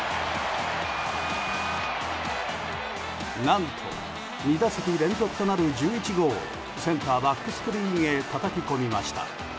何と２打席連続となる１１号をセンターバックスクリーンへたたき込みました。